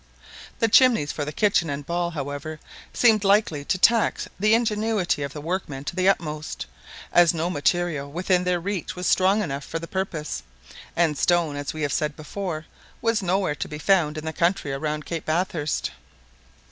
The chimneys for the kitchen and ball, however, seemed likely to tax the ingenuity of the workmen to the utmost, as no material within their reach was strong enough for the purpose, and stone, as we have said before, was nowhere to be found in the country around Cape Bathurst.